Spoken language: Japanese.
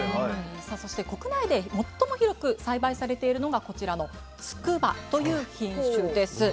そして国内で最も広く栽培されているのがこちらの「筑波」という品種です。